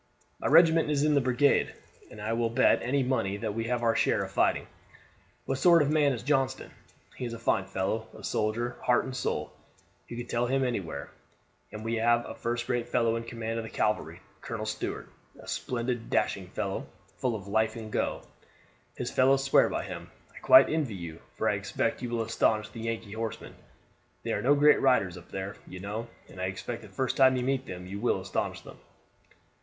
"My regiment is in his brigade, and I will bet any money that we have our share of fighting. What sort of man is Johnston? He is a fine fellow a soldier, heart and soul. You could tell him anywhere, and we have a first rate fellow in command of the cavalry Colonel Stuart a splendid dashing fellow, full of life and go. His fellows swear by him. I quite envy you, for I expect you will astonish the Yankee horsemen. They are no great riders up there, you know, and I expect the first time you meet them you will astonish them."